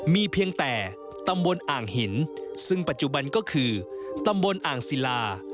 มีเพียงแต่ตำบลอ่างหินซึ่งปัจจุบันก็คือตำบลอ่างศิลา